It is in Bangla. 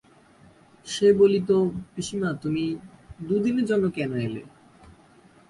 সে বলিত, পিসিমা, তুমি দুদিনের জন্যে কেন এলে!